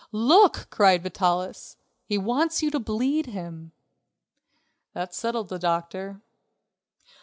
"Look," cried Vitalis, "he wants you to bleed him." That settled the doctor.